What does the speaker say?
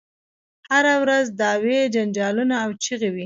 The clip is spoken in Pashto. هره ورځ دعوې جنجالونه او چیغې وي.